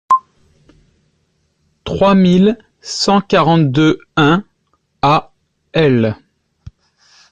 trois mille cent quarante-deux-un à L.